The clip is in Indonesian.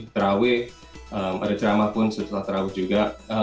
terawih ada ceramah pun setelah terawih juga